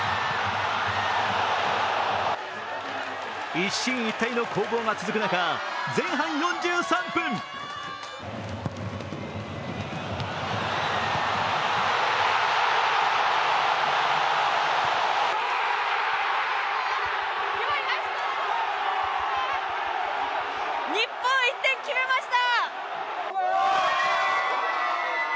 一進一退の攻防が続く中前半４３分日本、１点決めました！